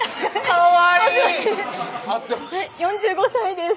４５歳です